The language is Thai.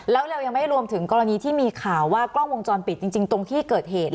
แล้วเรายังไม่รวมถึงกรณีที่มีข่าวว่ากล้องวงจรปิดจริงตรงที่เกิดเหตุ